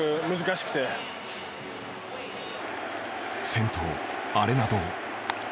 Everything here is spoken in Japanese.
先頭アレナド。